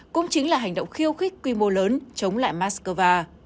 cũng chính là hành động khiêu khích quy mô lớn chống lại moscow